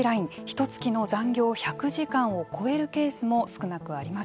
ひと月の残業１００時間を超えるケースも少なくありません。